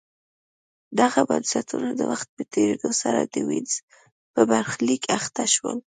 دغه بنسټونه د وخت په تېرېدو سره د وینز په برخلیک اخته شول